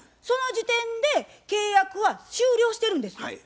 その時点で契約は終了してるんです。